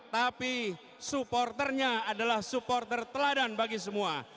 tapi supporternya adalah supporter teladan bagi semua